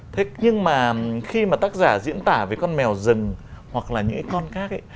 thế nhưng mà khi mà tác giả diễn tả về con mèo rừng hoặc là những con khác ấy